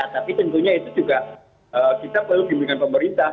tapi tentunya itu juga kita perlu bimbingan pemerintah